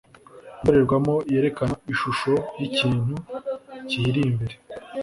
Indorerwamo yerekana ishusho y'ikintu kiyiri imbere